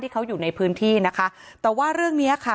เขาอยู่ในพื้นที่นะคะแต่ว่าเรื่องเนี้ยค่ะ